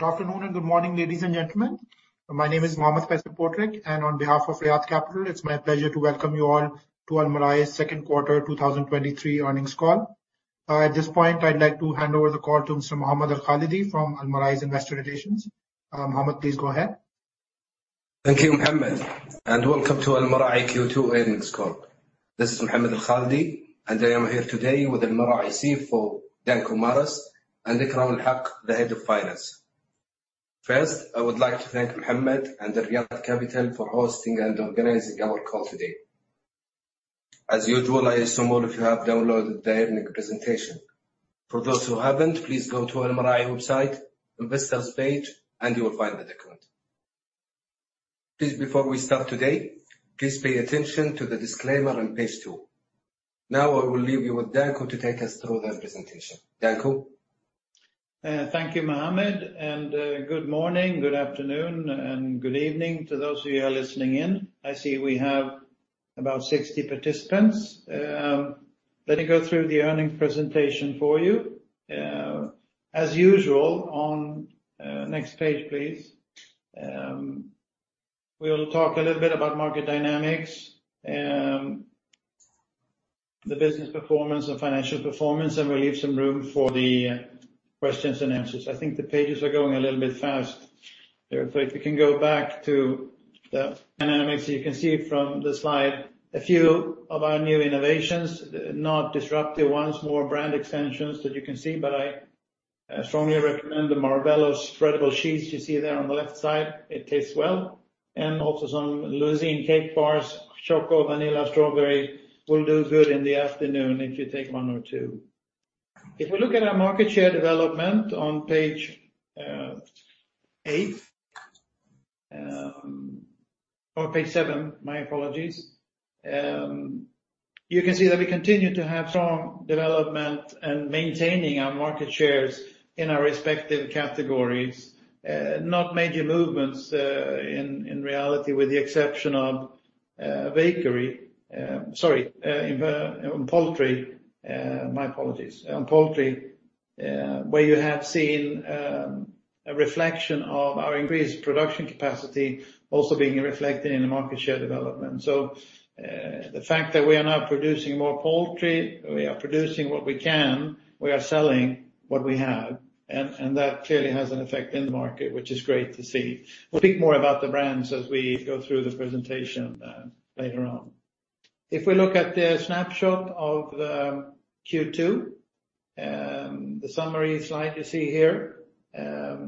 Good afternoon and good morning, ladies and gentlemen. My name is Mohammed Al-Joaid. On behalf of Riyad Capital, it's my pleasure to welcome you all to Almarai's second quarter, 2023 earnings call. At this point, I'd like to hand over the call to Mr. Mohammed Alkhaldi from Almarai's Investor Relations. Mohammed, please go ahead. Thank you, Mohammed. Welcome to Almarai Q2 Earnings Call. This is Mohammed Alkhaldi. I am here today with Almarai CFO, Danko Maras, and Ikram Ulhaque, the Head of Finance. First, I would like to thank Mohammed and the Riyad Capital for hosting and organizing our call today. As usual, I assume all of you have downloaded the earnings presentation. For those who haven't, please go to Almarai website, Investors Page, and you will find the document. Please, before we start today, please pay attention to the disclaimer on page two. Now, I will leave you with Danko to take us through the presentation. Danko? Thank you, Mohammed, good morning, good afternoon, and good evening to those of you who are listening in. I see we have about 60 participants. Let me go through the earnings presentation for you. As usual, on next page, please, we'll talk a little bit about market dynamics, the business performance and financial performance, and we'll leave some room for the questions and answers. I think the pages are going a little bit fast there. If you can go back to the dynamics, you can see from the slide a few of our new innovations, not disruptive ones, more brand extensions that you can see, but I strongly recommend the Marvello spreadable cheese you see there on the left side. It tastes well, and also some L'usine cake bars, choco, vanilla, strawberry, will do good in the afternoon if you take one or two. If we look at our market share development on page eight or page seven, my apologies. You can see that we continue to have strong development and maintaining our market shares in our respective categories. Not major movements in reality, with the exception of bakery. Sorry, on poultry, my apologies. On poultry, where you have seen a reflection of our increased production capacity also being reflected in the market share development. The fact that we are now producing more poultry, we are producing what we can, we are selling what we have, and that clearly has an effect in the market, which is great to see. We'll speak more about the brands as we go through the presentation later on. If we look at the snapshot of the Q2, the summary slide you see here, I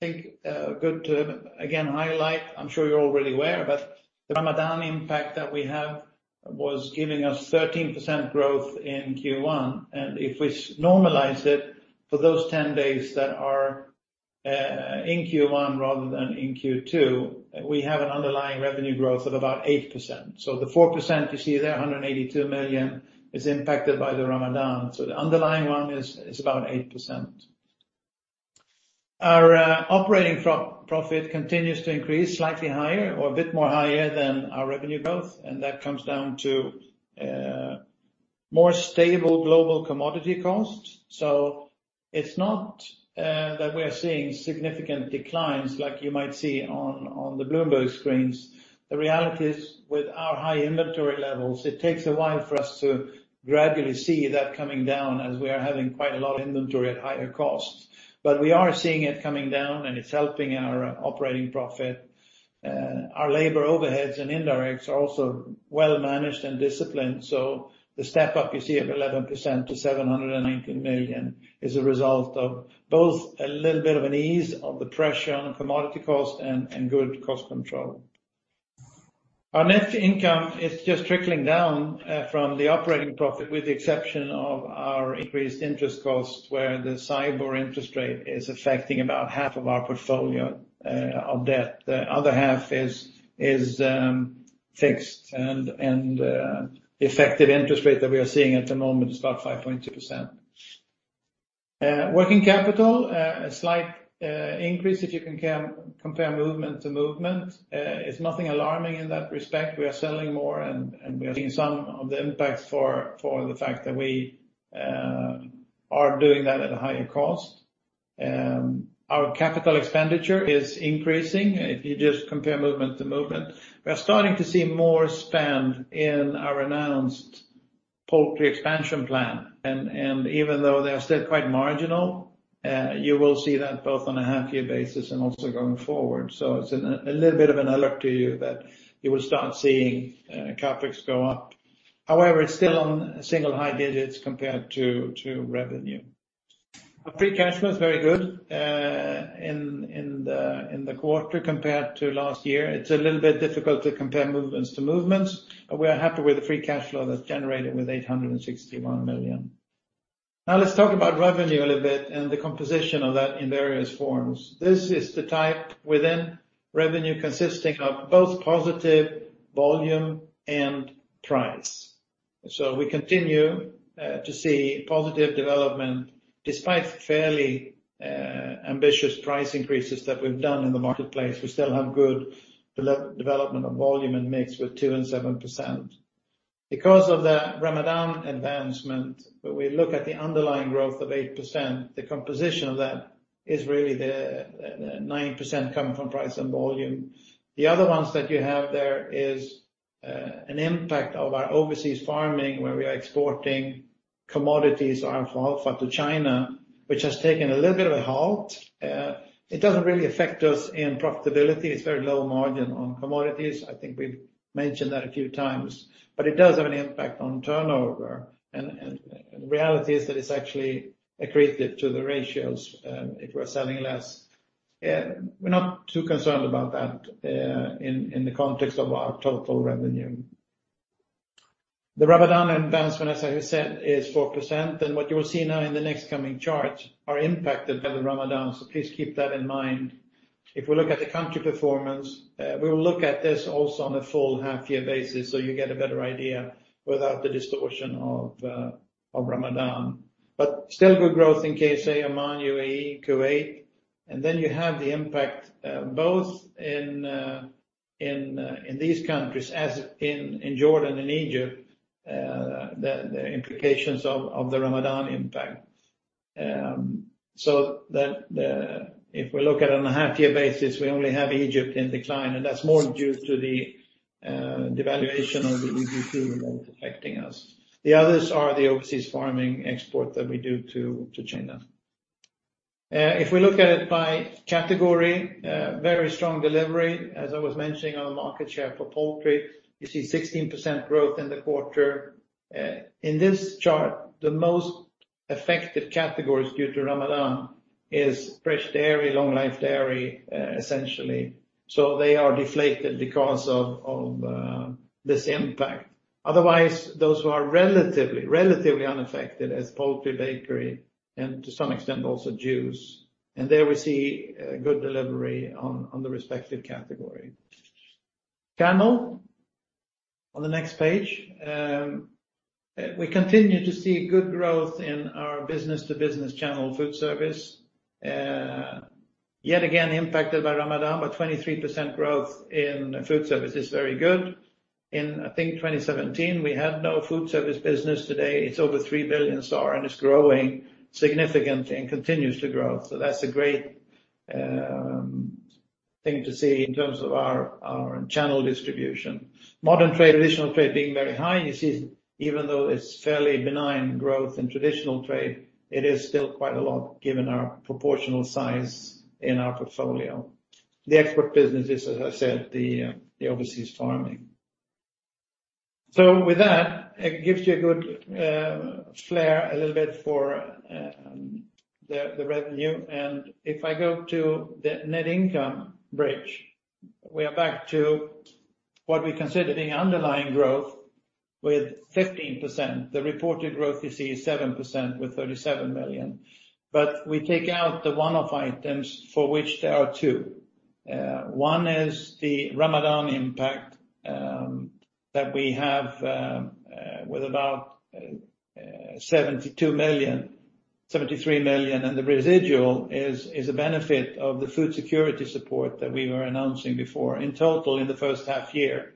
think good to again highlight, I'm sure you're already aware, but the Ramadan impact that we have was giving us 13% growth in Q1, and if we normalize it for those 10 days that are in Q1 rather than in Q2, we have an underlying revenue growth of about 8%. The 4% you see there, 182 million, is impacted by the Ramadan. The underlying one is about 8%. Our operating profit continues to increase slightly higher or a bit more higher than our revenue growth. That comes down to more stable global commodity costs. It's not that we are seeing significant declines like you might see on the Bloomberg screens. The reality is, with our high inventory levels, it takes a while for us to gradually see that coming down as we are having quite a lot of inventory at higher costs. We are seeing it coming down, and it's helping our operating profit. Our labor overheads and indirect are also well managed and disciplined, so the step up you see of 11% to 719 million is a result of both a little bit of an ease of the pressure on commodity cost and good cost control. Our net income is just trickling down from the operating profit, with the exception of our increased interest costs, where the SAIBOR interest rate is affecting about half of our portfolio of debt. The other half is fixed, and the effective interest rate that we are seeing at the moment is about 5.2%. Working capital, a slight increase, if you can compare movement to movement. It's nothing alarming in that respect. We are selling more, and we are seeing some of the impacts for the fact that we are doing that at a higher cost. Our capital expenditure is increasing, if you just compare movement to movement. We are starting to see more spend in our announced poultry expansion plan, and even though they are still quite marginal, you will see that both on a half year basis and also going forward. It's a little bit of an alert to you that you will start seeing CapEx go up. It's still on single high digits compared to revenue. Our free cash flow is very good in the quarter, compared to last year. It's a little bit difficult to compare movements to movements. We are happy with the free cash flow that's generated with 861 million. Let's talk about revenue a little bit and the composition of that in various forms. This is the type within revenue consisting of both positive volume and price. We continue to see positive development despite fairly ambitious price increases that we've done in the marketplace. We still have good development of volume and mix with 2% and 7%. Because of the Ramadan advancement, when we look at the underlying growth of 8%, the composition of that is really the 9% coming from price and volume. The other ones that you have there is an impact of our overseas farming, where we are exporting commodities, our alfalfa to China, which has taken a little bit of a halt. It doesn't really affect us in profitability. It's very low margin on commodities. I think we've mentioned that a few times, but it does have an impact on turnover. The reality is that it's actually accretive to the ratios if we're selling less. We're not too concerned about that in the context of our total revenue. The Ramadan advancement, as I said, is 4%, and what you will see now in the next coming charts are impacted by the Ramadan, so please keep that in mind. If we look at the country performance, we will look at this also on a full half-year basis, so you get a better idea without the distortion of Ramadan. Still good growth in KSA, Oman, UAE, Kuwait, and then you have the impact both in these countries, as in Jordan and Egypt, the implications of the Ramadan impact. If we look at it on a half-year basis, we only have Egypt in decline, and that's more due to the devaluation of the Egyptian Pound affecting us. The others are the overseas farming export that we do to China. If we look at it by category, very strong delivery. As I was mentioning on the market share for poultry, you see 16% growth in the quarter. In this chart, the most affected categories due to Ramadan is fresh dairy, long-life dairy, essentially. They are deflated because of this impact. Otherwise, those who are relatively unaffected as poultry, bakery, and to some extent, also juice. There we see good delivery on the respective category. Channel, on the next page. We continue to see good growth in our business-to-business channel food service. Yet again, impacted by Ramadan, but 23% growth in food service is very good. In, I think 2017, we had no food service business. Today, it's over 3 billion SAR, and it's growing significantly and continues to grow. That's a great thing to see in terms of our channel distribution. Modern trade, traditional trade being very high. You see, even though it's fairly benign growth in traditional trade, it is still quite a lot, given our proportional size in our portfolio. The export business is, as I said, the overseas farming. With that, it gives you a good flare a little bit for the revenue. If I go to the net income bridge, we are back to what we consider the underlying growth with 15%. The reported growth you see is 7%, with 37 million. We take out the one-off items for which there are two. One is the Ramadan impact that we have with about 72 million, 73 million, and the residual is a benefit of the food security support that we were announcing before. In total, in the first half year,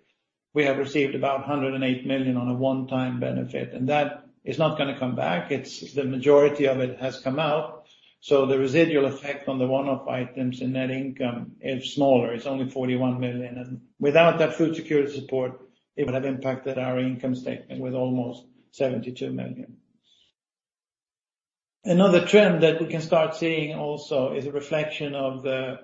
we have received about 108 million on a one-time benefit. That is not gonna come back. The majority of it has come out. The residual effect on the one-off items in net income is smaller. It's only 41 million. Without that food security support, it would have impacted our income statement with almost 72 million. Another trend that we can start seeing also is a reflection of the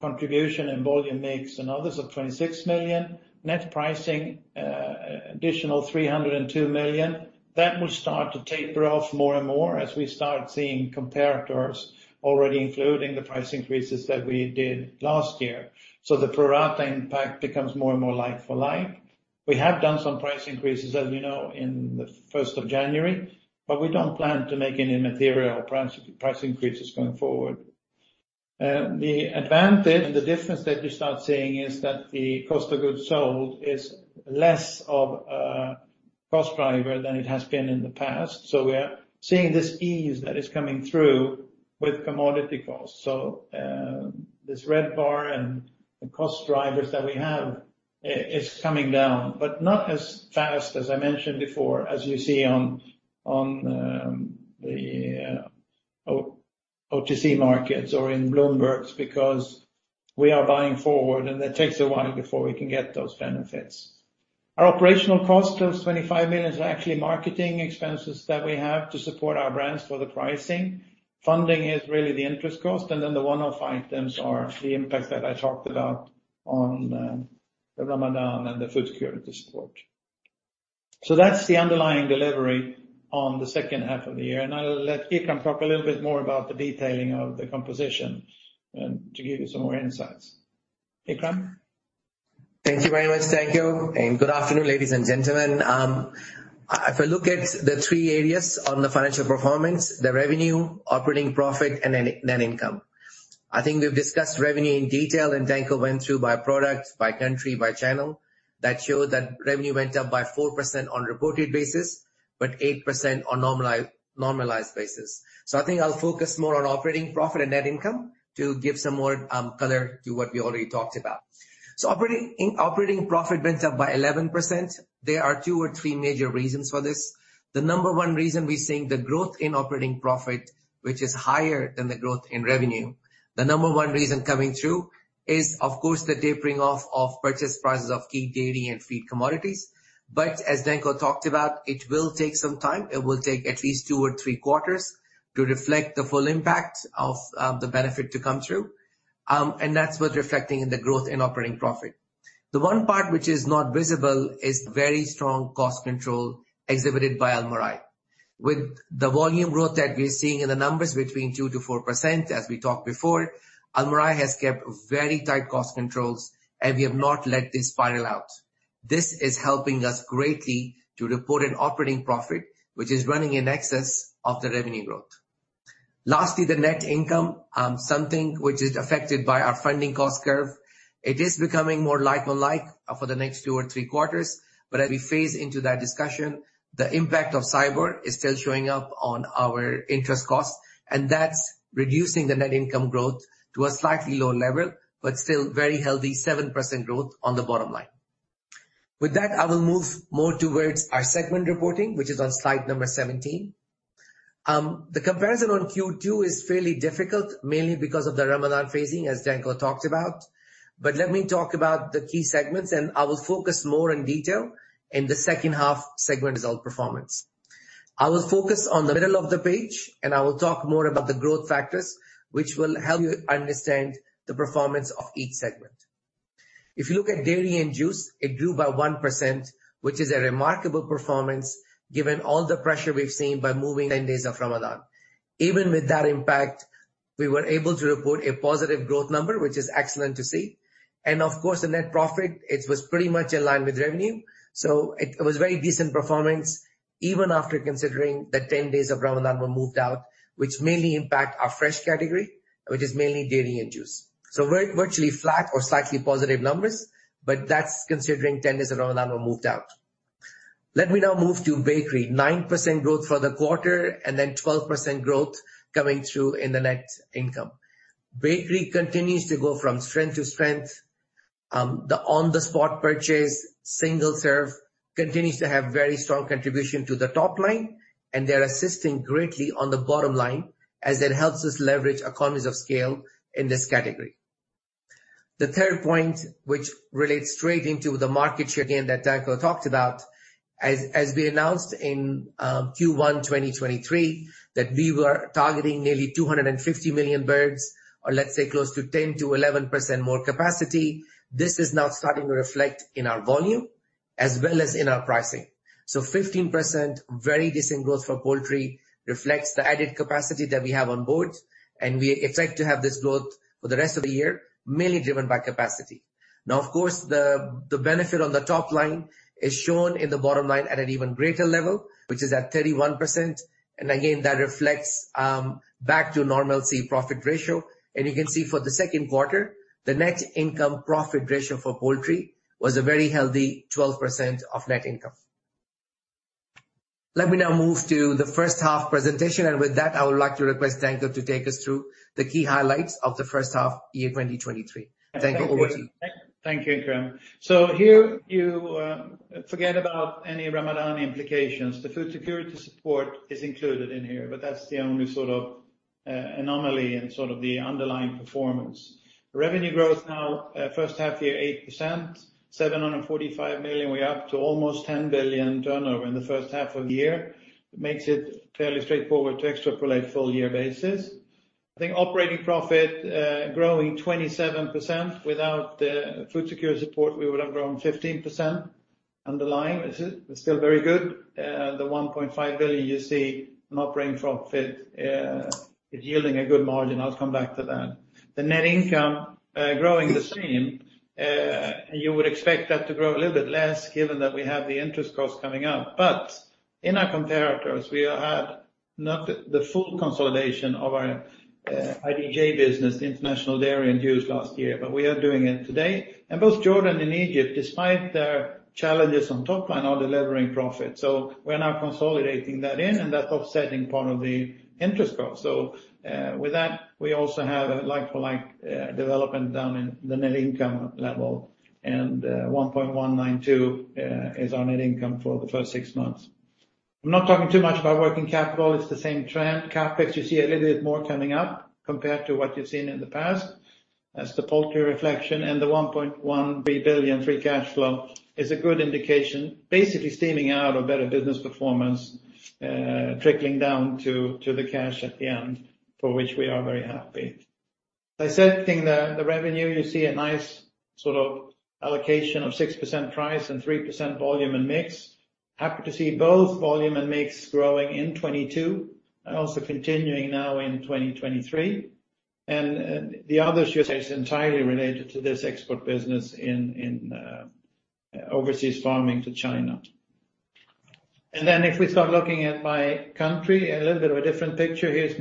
contribution and volume mix and others of 26 million. Net pricing, additional 302 million. That will start to taper off more and more as we start seeing comparators already including the price increases that we did last year. The pro rata impact becomes more and more like for like. We have done some price increases, as you know, in the 1st of January, but we don't plan to make any material price increases going forward. The advantage and the difference that you start seeing is that the cost of goods sold is less of a cost driver than it has been in the past. We are seeing this ease that is coming through with commodity costs. This red bar and the cost drivers that we have is coming down, but not as fast, as I mentioned before, as you see on OTC markets or in Bloomberg, because we are buying forward, and it takes a while before we can get those benefits. Our operational cost, those 25 million, are actually marketing expenses that we have to support our brands for the pricing. Funding is really the interest cost, and then the one-off items are the impacts that I talked about on the Ramadan and the food security support. That's the underlying delivery on the H2 of the year, and I'll let Ikram talk a little bit more about the detailing of the composition, to give you some more insights. Ikram? Thank you very much, Danko. Good afternoon, ladies and gentlemen. If I look at the three areas on the financial performance, the revenue, operating profit, and net income. I think we've discussed revenue in detail, and Danko went through by product, by country, by channel. That showed that revenue went up by 4% on reported basis. 8% on normalized basis. I think I'll focus more on operating profit and net income to give some more color to what we already talked about. Operating profit went up by 11%. There are two or three major reasons for this. The number one reason we're seeing the growth in operating profit, which is higher than the growth in revenue, the number one reason coming through is, of course, the tapering off of purchase prices of key dairy and feed commodities. As Danko talked about, it will take some time. It will take at least two or three quarters to reflect the full impact of the benefit to come through. That's what's reflecting in the growth in operating profit. The one part which is not visible is very strong cost control exhibited by Almarai. With the volume growth that we're seeing in the numbers between 2%-4%, as we talked before, Almarai has kept very tight cost controls, and we have not let this spiral out. This is helping us greatly to report an operating profit, which is running in excess of the revenue growth. Lastly, the net income, something which is affected by our funding cost curve. It is becoming more like for like for the next two or three quarters. As we phase into that discussion, the impact of SAIBOR is still showing up on our interest costs, and that's reducing the net income growth to a slightly lower level, but still very healthy 7% growth on the bottom line. With that, I will move more towards our segment reporting, which is on slide number 17. The comparison on Q2 is fairly difficult, mainly because of the Ramadan phasing, as Danko talked about. Let me talk about the key segments, and I will focus more in detail in the second half segment result performance. I will focus on the middle of the page, and I will talk more about the growth factors, which will help you understand the performance of each segment. If you look at dairy and juice, it grew by 1%, which is a remarkable performance given all the pressure we've seen by moving 10 days of Ramadan. Even with that impact, we were able to report a positive growth number, which is excellent to see. Of course, the net profit, it was pretty much in line with revenue, so it was very decent performance, even after considering the 10 days of Ramadan were moved out, which mainly impact our fresh category, which is mainly dairy and juice. Virtually flat or slightly positive numbers, but that's considering 10 days of Ramadan were moved out. Let me now move to bakery. 9% growth for the quarter and then 12% growth coming through in the net income. Bakery continues to go from strength to strength. The on-the-spot purchase, single serve, continues to have very strong contribution to the top line, and they're assisting greatly on the bottom line as it helps us leverage economies of scale in this category. The third point, which relates straight into the market share gain that Danko talked about, as we announced in Q1 2023, that we were targeting nearly 250 million birds, or let's say, close to 10%-11% more capacity. This is now starting to reflect in our volume as well as in our pricing. 15%, very decent growth for poultry, reflects the added capacity that we have on board, and we expect to have this growth for the rest of the year, mainly driven by capacity. Of course, the benefit on the top line is shown in the bottom line at an even greater level, which is at 31%. Again, that reflects back to normalcy profit ratio. You can see for the second quarter, the net income profit ratio for poultry was a very healthy 12% of net income. Let me now move to the first half presentation. With that, I would like to request Danko to take us through the key highlights of the first half, 2023. Danko, over to you. Thank you, Ikram. Here you forget about any Ramadan implications. The food security support is included in here. That's the only sort of anomaly in sort of the underlying performance. Revenue growth now, first half year, 8%, 745 million, we're up to almost 10 billion turnover in the first half of the year. Makes it fairly straightforward to extrapolate full year basis. I think operating profit growing 27%. Without the food security support, we would have grown 15% underlying. It's still very good. The 1.5 billion you see in operating profit is yielding a good margin. I'll come back to that. The net income growing the same, you would expect that to grow a little bit less given that we have the interest costs coming up. In our comparators, we had not the full consolidation of our IDJ business, International Dairy and Juice, last year, but we are doing it today. Both Jordan and Egypt, despite their challenges on top line, are delivering profit. We're now consolidating that in, and that's offsetting part of the interest cost. With that, we also have a like-for-like development down in the net income level, and 1.192 is our net income for the first six months. I'm not talking too much about working capital. It's the same trend. CapEx, you see a little bit more coming up compared to what you've seen in the past. That's the poultry reflection and the $1.1 billion free cash flow is a good indication, basically steaming out of better business performance, trickling down to the cash at the end, for which we are very happy. I said, I think the revenue, you see a nice sort of allocation of 6% price and 3% volume and mix. Happy to see both volume and mix growing in 2022 and also continuing now in 2023. The other share is entirely related to this export business in overseas farming to China. If we start looking at by country, a little bit of a different picture here is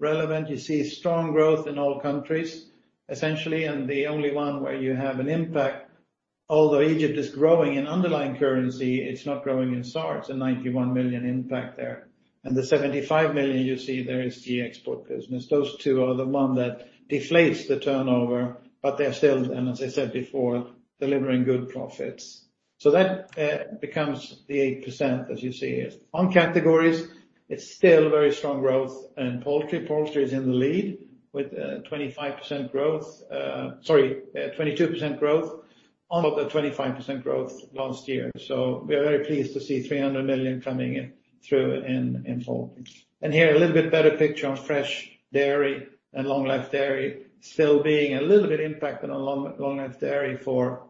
more relevant. You see strong growth in all countries, essentially, and the only one where you have an impact. Although Egypt is growing in underlying currency, it's not growing in SAR, a 91 million impact there. The 75 million you see there is the export business. Those two are the one that deflates the turnover, but they are still, and as I said before, delivering good profits. That becomes the 8%, as you see here. On categories, it's still very strong growth, and poultry. Poultry is in the lead with 25% growth, sorry, 22% growth, on about the 25% growth last year. We are very pleased to see 300 million coming in through in poultry. Here, a little bit better picture on fresh dairy and long-life dairy still being a little bit impacted on long-life dairy for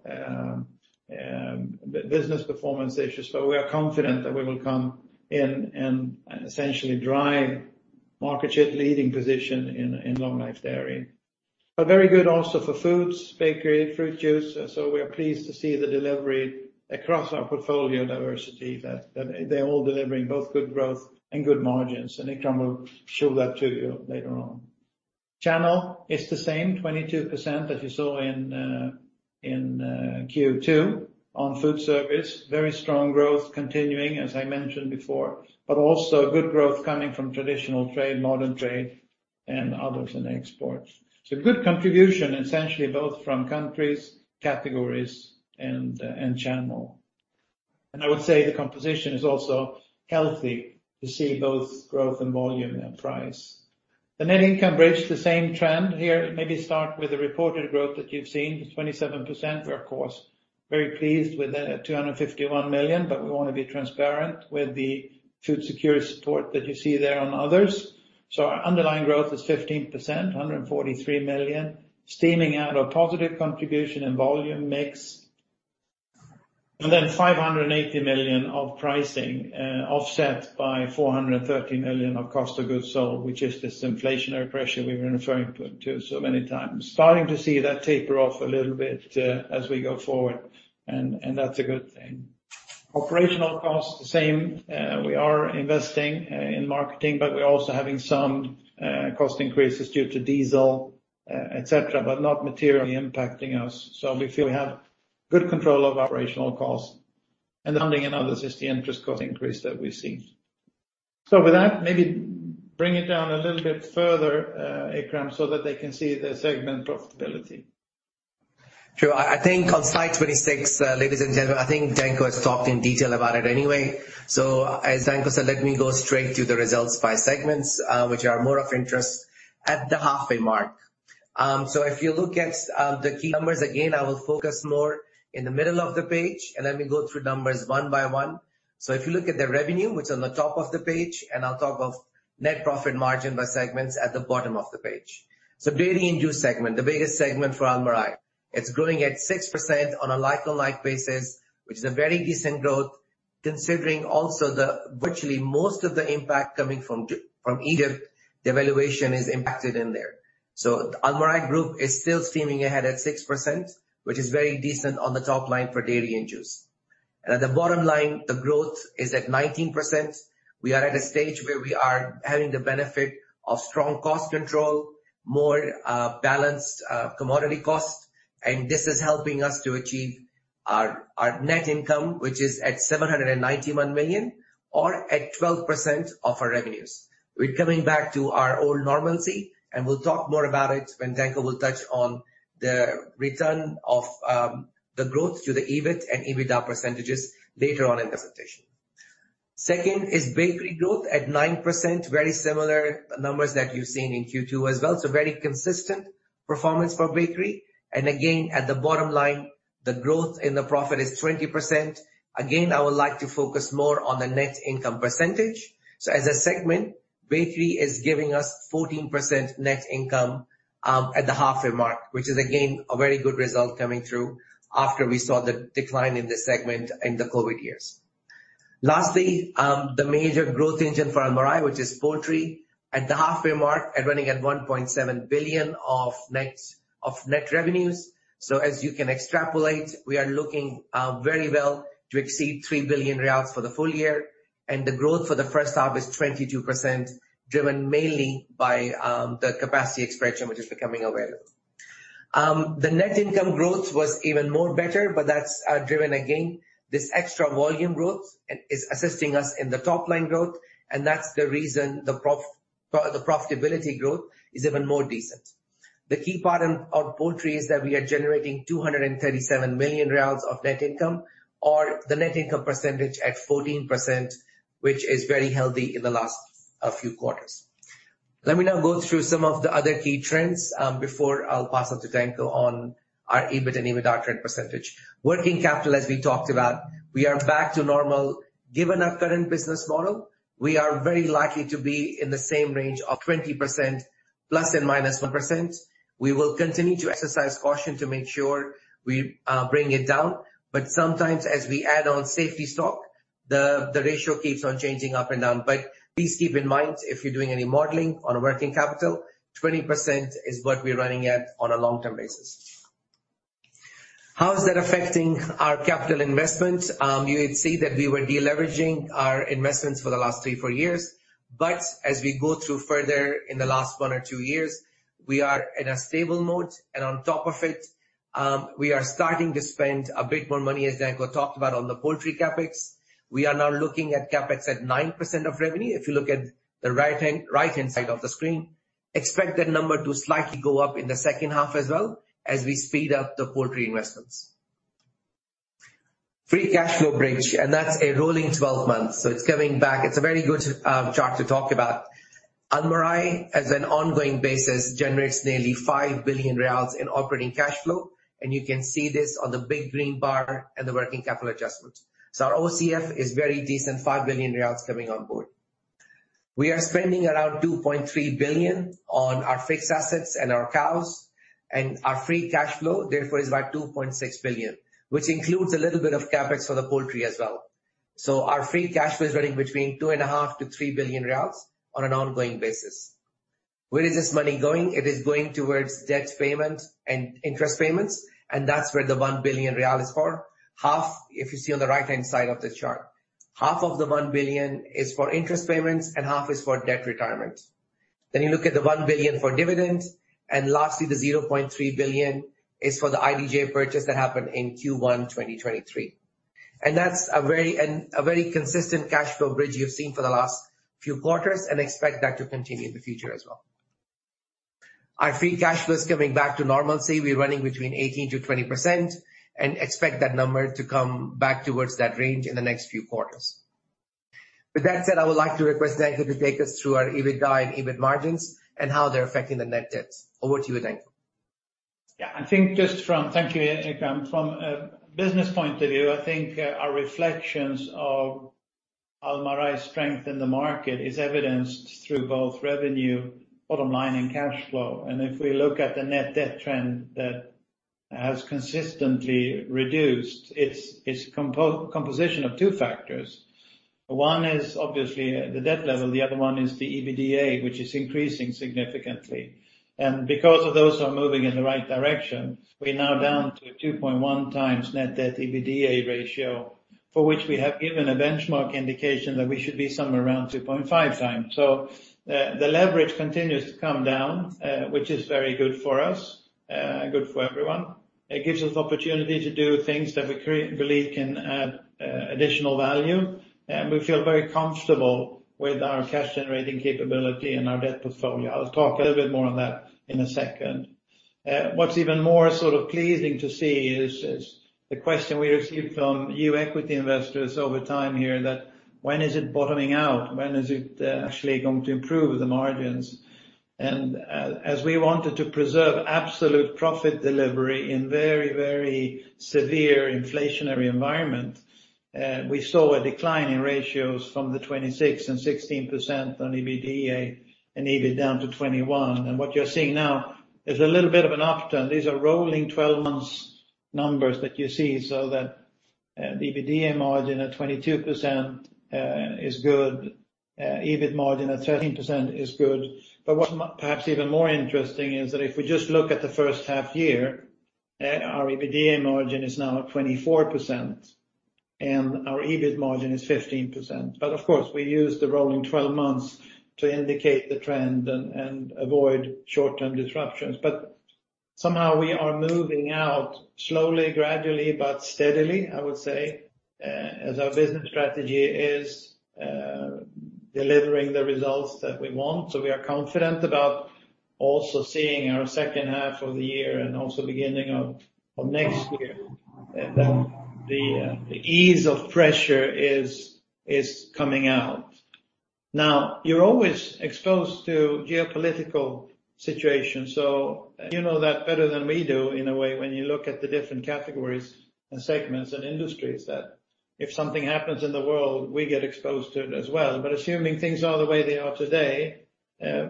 business performance issues, but we are confident that we will come in and essentially drive market share leading position in long-life dairy. Very good also for foods, bakery, fruit juice. We are pleased to see the delivery across our portfolio diversity, that they're all delivering both good growth and good margins, and Ikram will show that to you later on. Channel is the same, 22% that you saw in Q2. On food service, very strong growth continuing, as I mentioned before, but also good growth coming from traditional trade, modern trade, and others in exports. Good contribution, essentially, both from countries, categories, and channel. I would say the composition is also healthy to see both growth and volume and price. The net income bridge, the same trend here. Maybe start with the reported growth that you've seen, 27%. We are, of course, very pleased with the 251 million, but we want to be transparent with the food security support that you see there on others. Our underlying growth is 15%, 143 million, steaming out a positive contribution in volume mix, and then 580 million of pricing, offset by 430 million of cost of goods sold, which is this inflationary pressure we were referring to so many times. Starting to see that taper off a little bit as we go forward, and that's a good thing. Operational costs, the same. We are investing in marketing, but we're also having some cost increases due to diesel, et cetera, but not materially impacting us. We feel we have good control of operational costs, and the funding in others is the interest cost increase that we've seen. With that, maybe bring it down a little bit further, Ikram, so that they can see the segment profitability. Sure. I think on slide 26, ladies and gentlemen, I think Danko has talked in detail about it anyway. As Danko said, let me go straight to the results by segments, which are more of interest at the halfway mark. If you look at the key numbers, again, I will focus more in the middle of the page, let me go through numbers one by one. If you look at the revenue, which on the top of the page, on top of net profit margin by segments at the bottom of the page. Dairy and juice segment, the biggest segment for Almarai. It's growing at 6% on a like-to-like basis, which is a very decent growth, considering also the virtually most of the impact coming from Egypt, the evaluation is impacted in there. Almarai Group is still steaming ahead at 6%, which is very decent on the top line for dairy and juice. At the bottom line, the growth is at 19%. We are at a stage where we are having the benefit of strong cost control, more balanced commodity costs, this is helping us to achieve our net income, which is at 791 million or at 12% of our revenues. We're coming back to our old normalcy, we'll talk more about it when Danko will touch on the return of the growth to the EBIT and EBITDA percentages later on in the presentation. Second is bakery growth at 9%. Very similar numbers that you've seen in Q2 as well. Very consistent performance for bakery. Again, at the bottom line, the growth in the profit is 20%. Again, I would like to focus more on the net income percentage. As a segment, bakery is giving us 14% net income, at the halfway mark, which is again, a very good result coming through after we saw the decline in this segment in the COVID years. Lastly, the major growth engine for Almarai, which is poultry, at the halfway mark and running at 1.7 billion of net revenues. As you can extrapolate, we are looking very well to exceed 3 billion riyals for the full year, and the growth for the first half is 22%, driven mainly by the capacity expansion, which is becoming available. The net income growth was even more better, but that's driven again, this extra volume growth and is assisting us in the top line growth, and that's the reason the profitability growth is even more decent. The key part in our poultry is that we are generating 237 million riyals of net income, or the net income percentage at 14%, which is very healthy in the last few quarters. Let me now go through some of the other key trends before I'll pass on to Danko on our EBIT and EBITDA trend percentage. Working capital, as we talked about, we are back to normal. Given our current business model, we are very likely to be in the same range of 20%+ and -1%. We will continue to exercise caution to make sure we bring it down, but sometimes as we add on safety stock, the ratio keeps on changing up and down. Please keep in mind, if you're doing any modeling on a working capital, 20% is what we're running at on a long-term basis. How is that affecting our capital investment? You would see that we were deleveraging our investments for the last three, four years, but as we go through further in the last one or two years. We are in a stable mode, and on top of it, we are starting to spend a bit more money, as Danko talked about on the poultry CapEx. We are now looking at CapEx at 9% of revenue. If you look at the right-hand side of the screen, expect that number to slightly go up in the H2 as well as we speed up the poultry investments. Free cash flow bridge, and that's a rolling 12 months, so it's coming back. It's a very good chart to talk about. Almarai, as an ongoing basis, generates nearly 5 billion riyals in operating cash flow, and you can see this on the big green bar and the working capital adjustments. Our OCF is very decent, 5 billion riyals coming on board. We are spending around 2.3 billion on our fixed assets and our cows, and our free cash flow, therefore, is about 2.6 billion, which includes a little bit of CapEx for the poultry as well. Our free cash flow is running between 2.5 billion-3 billion riyals on an ongoing basis. Where is this money going? It is going towards debt payments and interest payments, and that's where the SAR 1 billion is for. Half, if you see on the right-hand side of the chart, half of the 1 billion is for interest payments, and half is for debt retirement. You look at the 1 billion for dividends, and lastly, the 0.3 billion is for the IDJ purchase that happened in Q1 2023. That's a very consistent cash flow bridge you've seen for the last few quarters, and expect that to continue in the future as well. Our free cash flow is coming back to normalcy. We're running between 18%-20%. Expect that number to come back towards that range in the next few quarters. With that said, I would like to request Jaakko to take us through our EBITDA and EBIT margins and how they're affecting the net debts. Over to you, Danko. I think just from. Thank you, Ikram. From a business point of view, I think our reflections of Almarai's strength in the market is evidenced through both revenue, bottom line, and cash flow. If we look at the net debt trend that has consistently reduced, its composition of two factors. One is obviously the debt level, the other one is the EBITDA, which is increasing significantly. Because of those are moving in the right direction, we're now down to 2.1x net debt-EBITDA ratio, for which we have given a benchmark indication that we should be somewhere around 2.5x. The leverage continues to come down, which is very good for us, good for everyone. It gives us opportunity to do things that we believe can add additional value, and we feel very comfortable with our cash-generating capability and our debt portfolio. I'll talk a little bit more on that in a second. What's even more sort of pleasing to see is the question we received from you equity investors over time here, that when is it bottoming out? When is it actually going to improve the margins? As we wanted to preserve absolute profit delivery in very, very severe inflationary environment, we saw a decline in ratios from the 26% and 16% on EBITDA and EBIT down to 21%. What you're seeing now is a little bit of an upturn. These are rolling 12 months numbers that you see, so that EBITDA margin at 22%, is good, EBIT margin at 13% is good. What perhaps even more interesting is that if we just look at the first half year, our EBITDA margin is now at 24%, and our EBIT margin is 15%. Of course, we use the rolling 12 months to indicate the trend and avoid short-term disruptions. Somehow we are moving out slowly, gradually, but steadily, I would say, as our business strategy is delivering the results that we want. We are confident about also seeing our H2 of the year and also beginning of next year, that the ease of pressure is coming out. You're always exposed to geopolitical situations, so you know that better than we do in a way, when you look at the different categories and segments and industries, that if something happens in the world, we get exposed to it as well. Assuming things are the way they are today,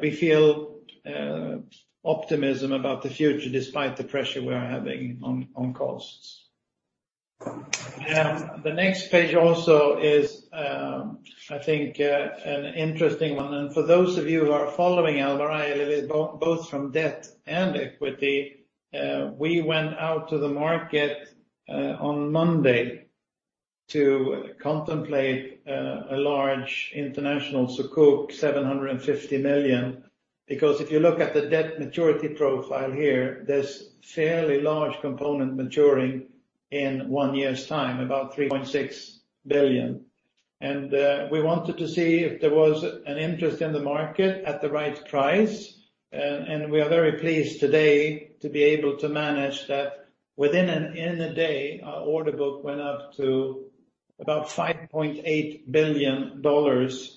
we feel optimism about the future despite the pressure we are having on costs. The next page also is, I think, an interesting one. For those of you who are following Almarai, both from debt and equity, we went out to the market on Monday to contemplate a large international Sukuk, 750 million, because if you look at the debt maturity profile here, there's fairly large component maturing in one year's time, about 3.6 billion. We wanted to see if there was an interest in the market at the right price. We are very pleased today to be able to manage that. Within a day, our order book went up to about $5.8 billion,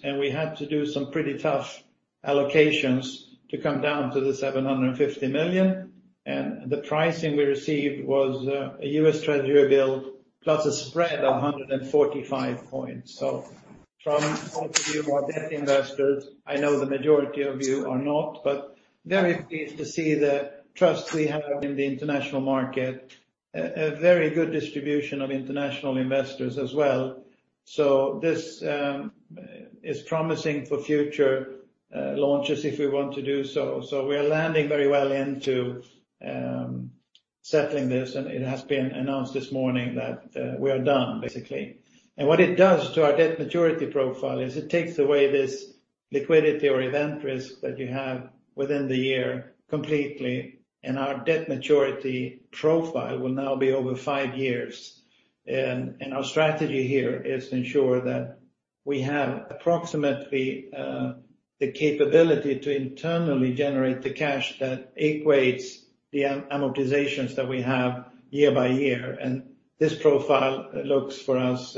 and we had to do some pretty tough allocations to come down to 750 million. The pricing we received was a US Treasury bill, plus a spread of 145 points. From all of you more debt investors, I know the majority of you are not, but very pleased to see the trust we have in the international market. A very good distribution of international investors as well. This is promising for future launches, if we want to do so. We are landing very well into. settling this, it has been announced this morning that we are done, basically. What it does to our debt maturity profile is it takes away this liquidity or event risk that you have within the year completely, our debt maturity profile will now be over five years. Our strategy here is to ensure that we have approximately the capability to internally generate the cash that equates the amortizations that we have year by year. This profile looks for us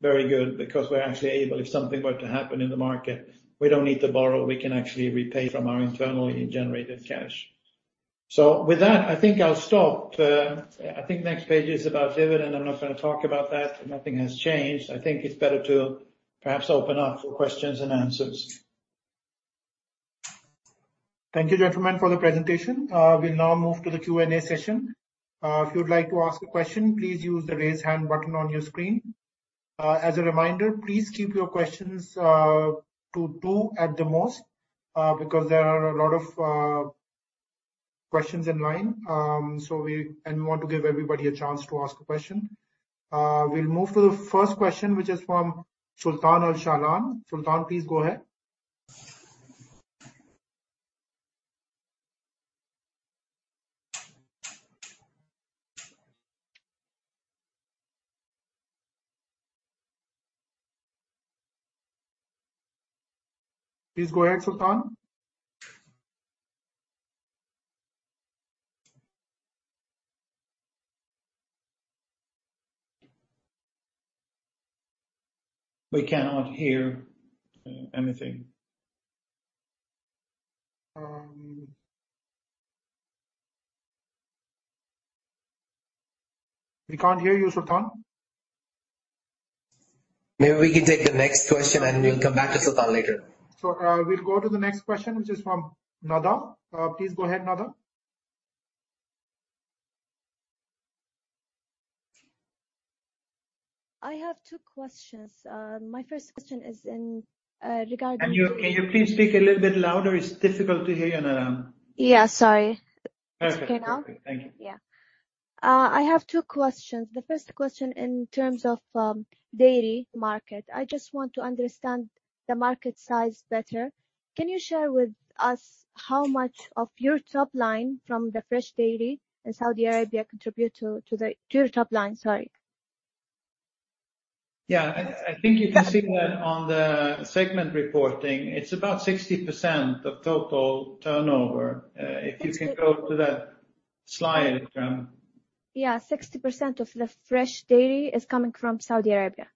very good because we're actually able, if something were to happen in the market, we don't need to borrow. We can actually repay from our internally generated cash. With that, I think I'll stop. I think next page is about dividend. I'm not going to talk about that. Nothing has changed. I think it's better to perhaps open up for questions and answers. Thank you, gentlemen, for the presentation. We'll now move to the Q&A session. If you'd like to ask a question, please use the raise hand button on your screen. As a reminder, please keep your questions to two at the most, because there are a lot of questions in line. We want to give everybody a chance to ask a question. We'll move to the first question, which is from Sultan Al-Sha'lan. Sultan, please go ahead. Please go ahead, Sultan. We cannot hear anything. We can't hear you, Sultan. Maybe we can take the next question, and we'll come back to Sultan later. We'll go to the next question, which is from Nada. Please go ahead, Nada. I have two questions. My 1st question is in. Can you please speak a little bit louder? It's difficult to hear you, Nada. Yeah, sorry. Perfect. Okay, now? Thank you. Yeah. I have two questions. The first question in terms of dairy market, I just want to understand the market size better. Can you share with us how much of your top line from the fresh dairy in Saudi Arabia contribute to your top line? Sorry. Yeah, I think you can see that on the segment reporting. It's about 60% of total turnover. If you can go to that slide, Ikram. Yeah, 60% of the fresh dairy is coming from Saudi Arabia.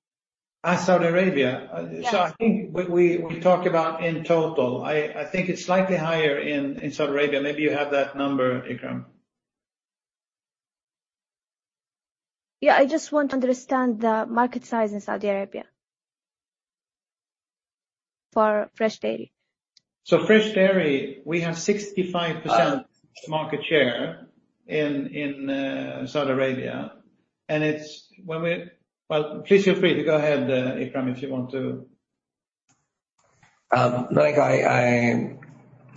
Saudi Arabia? Yeah. I think we talked about in total, I think it's slightly higher in Saudi Arabia. Maybe you have that number, Ikram? I just want to understand the market size in Saudi Arabia for fresh dairy. Fresh dairy, we have 65% market share in Saudi Arabia. Well, please feel free to go ahead, Ikram, if you want to. I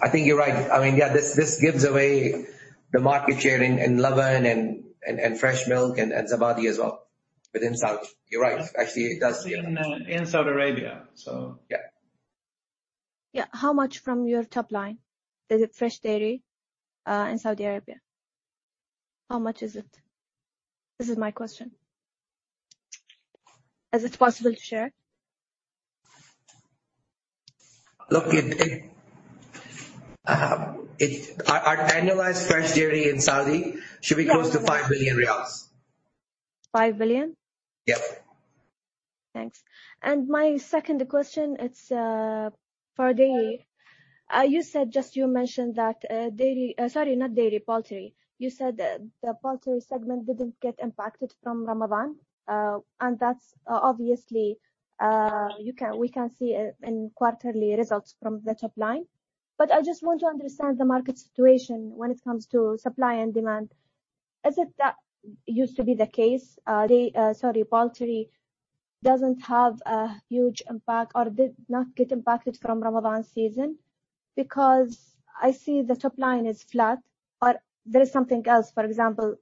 think you're right. I mean, yeah, this gives away the market share in Laban and fresh milk and Zabadi as well, within Saudi. You're right. Actually. In Saudi Arabia. Yeah. Yeah. How much from your top line? Is it fresh dairy in Saudi Arabia? How much is it? This is my question. Is it possible to share? Look, it. Our annualized fresh dairy in Saudi should be close to 5 billion riyals. 5 billion? Yep. Thanks. My 2nd question. You said, just you mentioned that dairy, sorry, not dairy, poultry. You said that the poultry segment didn't get impacted from Ramadan, and that's obviously, we can see it in quarterly results from the top line. I just want to understand the market situation when it comes to supply and demand. Is it that used to be the case? Dairy, sorry, poultry doesn't have a huge impact or did not get impacted from Ramadan season? I see the top line is flat, or there is something else. For example,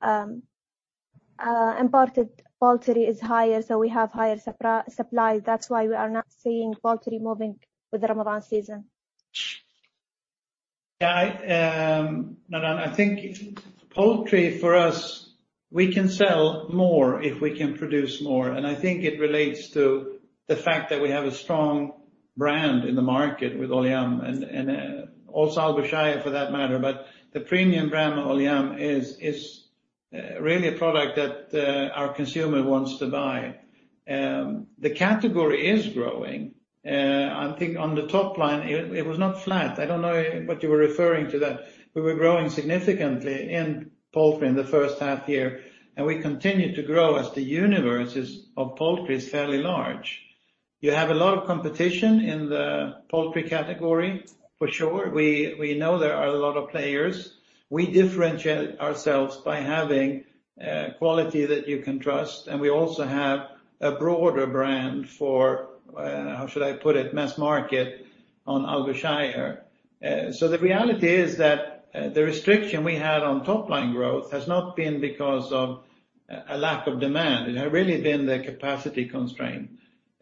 imported poultry is higher, so we have higher supply. That's why we are not seeing poultry moving with the Ramadan season. Yeah, I, Nada, I think poultry for us, we can sell more if we can produce more. I think it relates to the fact that we have a strong brand in the market with ALYOUM, and also Al Khushai for that matter. The premium brand, ALYOUM, is really a product that our consumer wants to buy. The category is growing. I think on the top line, it was not flat. I don't know what you were referring to that, we were growing significantly in poultry in the first half year, and we continued to grow as the universe of poultry is fairly large. You have a lot of competition in the poultry category for sure. We know there are a lot of players. We differentiate ourselves by having... quality that you can trust, and we also have a broader brand for, how should I put it? Mass market on Algoshire. The reality is that, the restriction we had on top-line growth has not been because of a lack of demand. It had really been the capacity constraint.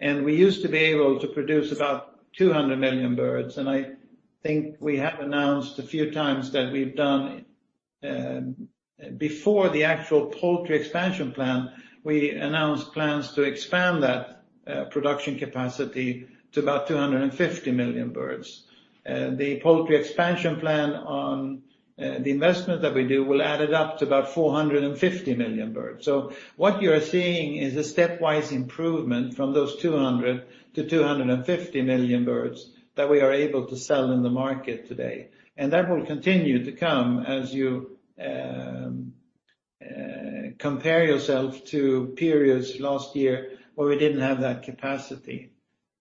We used to be able to produce about 200 million birds, and I think we have announced a few times that we've done. Before the actual poultry expansion plan, we announced plans to expand that, production capacity to about 250 million birds. The poultry expansion plan on, the investment that we do will add it up to about 450 million birds. What you're seeing is a stepwise improvement from those 200 million-250 million birds that we are able to sell in the market today, and that will continue to come as you compare yourself to periods last year where we didn't have that capacity.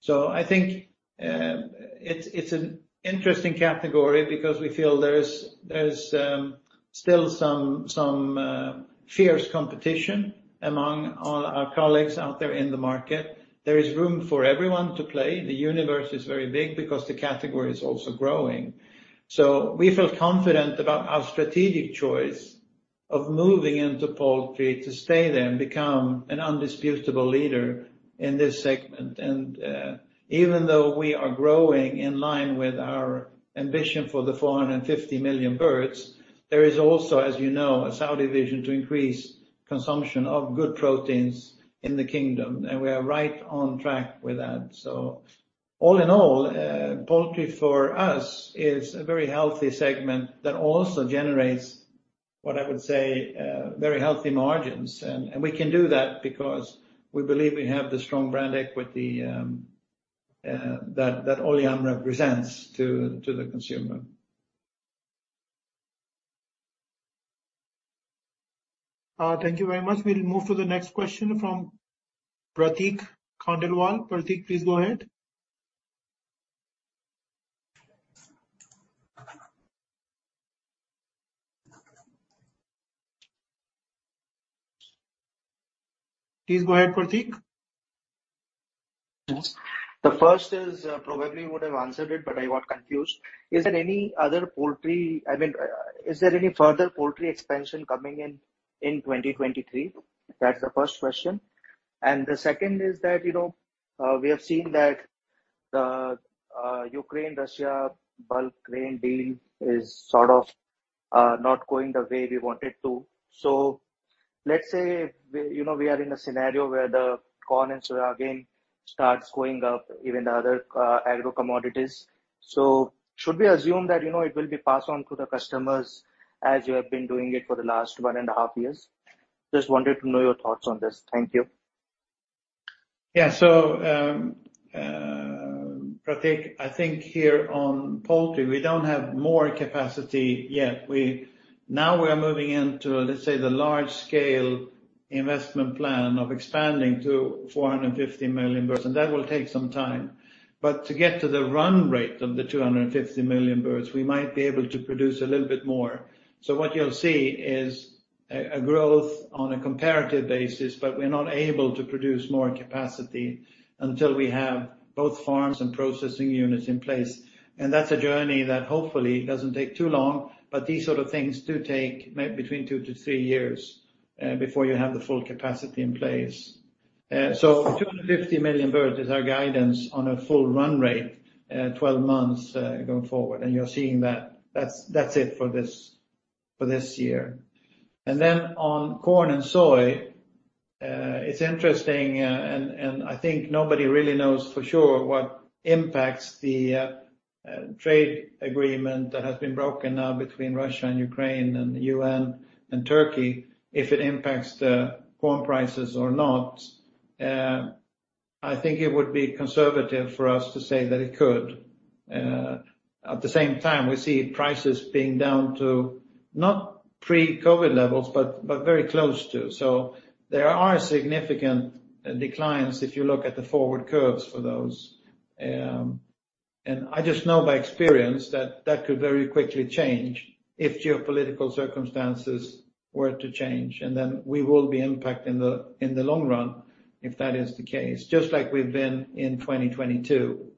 I think, it's an interesting category because we feel there's still some fierce competition among all our colleagues out there in the market. There is room for everyone to play. The universe is very big because the category is also growing. We feel confident about our strategic choice of moving into poultry, to stay there, and become an indisputable leader in this segment. Even though we are growing in line with our ambition for the 450 million birds, there is also, as you know, a Saudi Vision 2030 to increase consumption of good proteins in the kingdom, and we are right on track with that. All in all, poultry for us is a very healthy segment that also generates, what I would say, very healthy margins. And we can do that because we believe we have the strong brand equity that ALYOUM represents to the consumer. Thank you very much. We'll move to the next question from Pratik Khandelwal. Pratik, please go ahead, Pratik. The first is, probably you would have answered it, but I got confused. Is there any other poultry. I mean, is there any further poultry expansion coming in 2023? That's the first question. The second is that, you know, we have seen that the Ukraine, Russia, bulk grain deal is sort of, not going the way we want it to. Let's say, we, you know, we are in a scenario where the corn and soya again, starts going up, even the other, agro commodities. Should we assume that, you know, it will be passed on to the customers as you have been doing it for the last one and a half years? Just wanted to know your thoughts on this. Thank you. Pratik, I think here on poultry, we don't have more capacity yet. Now we are moving into, let's say, the large scale investment plan of expanding to 450 million birds, that will take some time. To get to the run rate of the 250 million birds, we might be able to produce a little bit more. What you'll see is a growth on a comparative basis, but we're not able to produce more capacity until we have both farms and processing units in place. That's a journey that hopefully doesn't take too long, but these sort of things do take may between two years-3 years before you have the full capacity in place. 250 million birds is our guidance on a full run rate, 12 months going forward, and you're seeing that. That's it for this, for this year. On corn and soy, it's interesting, and I think nobody really knows for sure what impacts the trade agreement that has been broken now between Russia and Ukraine, and the UN and Turkey, if it impacts the corn prices or not. I think it would be conservative for us to say that it could. At the same time, we see prices being down to not pre-COVID levels, but very close to. There are significant declines if you look at the forward curves for those. I just know by experience that that could very quickly change if geopolitical circumstances were to change, and then we will be impacted in the long run, if that is the case, just like we've been in 2022.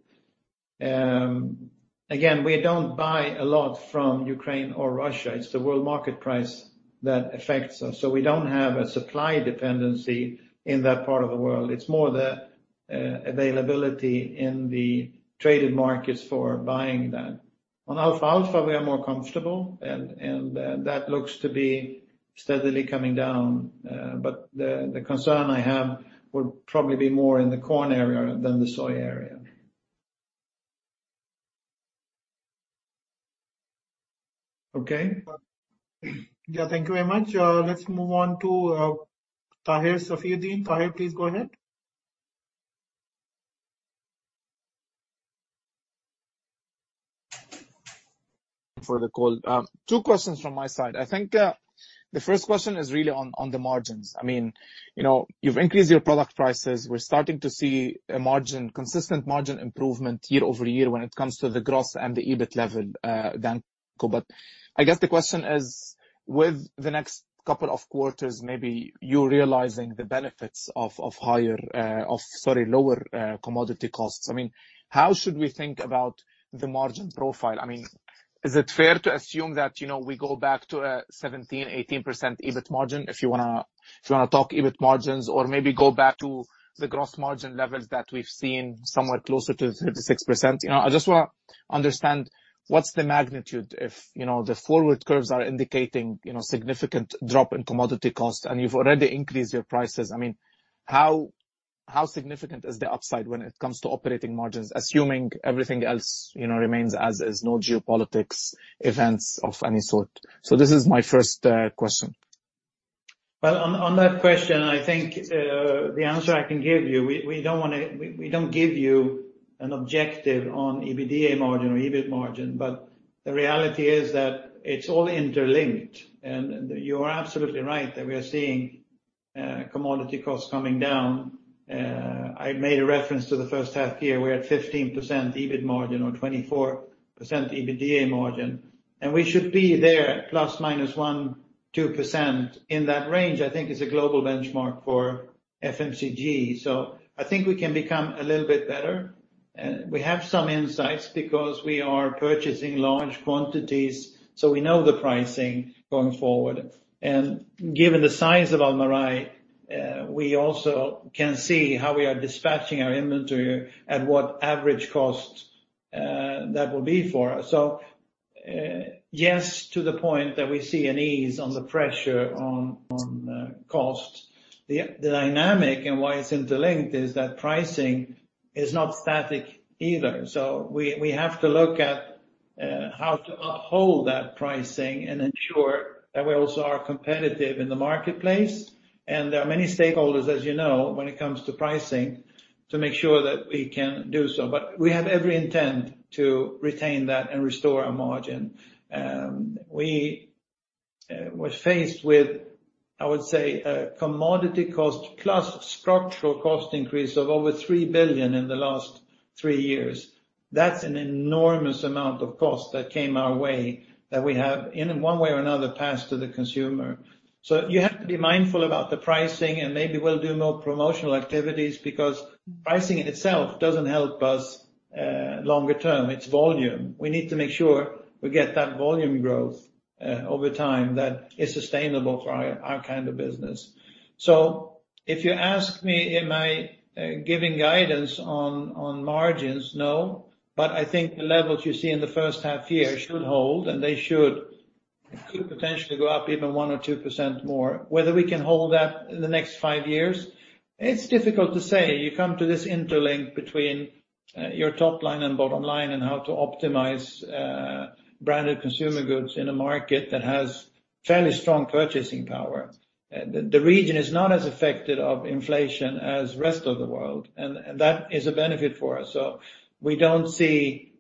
Again, we don't buy a lot from Ukraine or Russia. It's the world market price that affects us. We don't have a supply dependency in that part of the world. It's more the availability in the traded markets for buying that. On alfalfa, we are more comfortable and that looks to be steadily coming down, but the concern I have would probably be more in the corn area than the soy area. Okay? Yeah. Thank you very much. Let's move on to Tahir Safiuddin. Tahir, please go ahead. for the call. Two questions from my side. I think, the first question is really on the margins. I mean, you know, you've increased your product prices. We're starting to see consistent margin improvement year-over-year when it comes to the gross and the EBIT level, Danko. I guess the question is, with the next couple of quarters, maybe you realizing the benefits of higher, lower commodity costs. I mean, how should we think about the margin profile? I mean, is it fair to assume that, you know, we go back to 17%-18% EBIT margin? If you wanna talk EBIT margins or maybe go back to the gross margin levels that we've seen, somewhere closer to 36%. You know, I just wanna understand what's the magnitude if, you know, the forward curves are indicating, you know, significant drop in commodity costs, and you've already increased your prices. I mean, how significant is the upside when it comes to operating margins, assuming everything else, you know, remains as is no geopolitics, events of any sort? This is my first question. Well, on that question, I think the answer I can give you, we don't give you an objective on EBITDA margin or EBIT margin. The reality is that it's all interlinked. You are absolutely right that we are seeing commodity costs coming down. I made a reference to the first half year. We're at 15% EBIT margin or 24% EBITDA margin. We should be there at ±1-2%. In that range, I think is a global benchmark for FMCG. I think we can become a little bit better. We have some insights because we are purchasing large quantities, so we know the pricing going forward. Given the size of Almarai, we also can see how we are dispatching our inventory at what average cost that will be for us. Yes, to the point that we see an ease on the pressure on cost. The dynamic and why it's interlinked is that pricing is not static either. We have to look at how to uphold that pricing and ensure that we also are competitive in the marketplace. There are many stakeholders, as you know, when it comes to pricing, to make sure that we can do so. We have every intent to retain that and restore our margin. We were faced with, I would say, a commodity cost plus structural cost increase of over 3 billion in the last three years. That's an enormous amount of cost that came our way, that we have, in one way or another, passed to the consumer. You have to be mindful about the pricing, and maybe we'll do more promotional activities because pricing itself doesn't help us longer term, it's volume. We need to make sure we get that volume growth over time that is sustainable for our kind of business. If you ask me, am I giving guidance on margins? No. I think the levels you see in the first half year should hold, and they could potentially go up even 1% or 2% more. Whether we can hold that in the next five years, it's difficult to say. You come to this interlink between your top line and bottom line and how to optimize branded consumer goods in a market that has fairly strong purchasing power. The region is not as affected of inflation as rest of the world, and that is a benefit for us. We don't see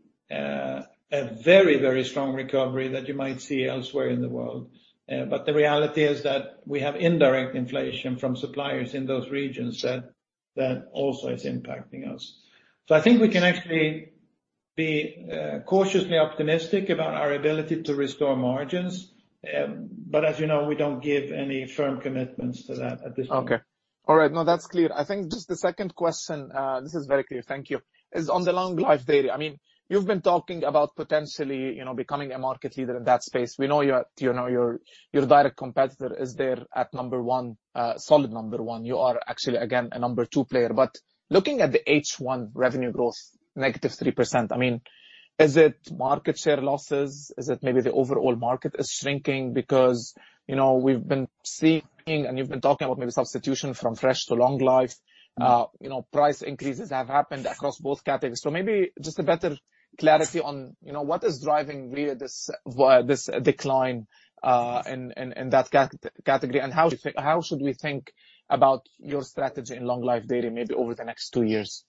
a very, very strong recovery that you might see elsewhere in the world. The reality is that we have indirect inflation from suppliers in those regions, that also is impacting us. I think we can actually be cautiously optimistic about our ability to restore margins, but as you know, we don't give any firm commitments to that at this point. Okay. All right, now that's clear. I think just the second question. This is very clear. Thank you. Is on the long life dairy? I mean, you've been talking about potentially, you know, becoming a market leader in that space. We know your, you know, your direct competitor is there at number one, solid number one. You are actually, again, a number two player. Looking at the H1 revenue growth, -3%, I mean, is it market share losses? Is it maybe the overall market is shrinking? Because, you know, we've been seeing, and you've been talking about maybe substitution from fresh to long life. You know, price increases have happened across both categories. Maybe just a better clarity on, you know, what is driving really this decline, in that category, and how should we think about your strategy in long life dairy, maybe over the next two years?